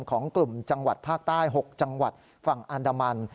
ของกลุ่มจังหวัดภาคใต้๖จังหวัดฝั่งอันดามัน